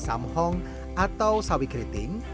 samhong atau sawi keriting